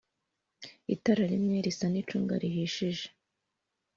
Itara rimwe risa nicunga rihishije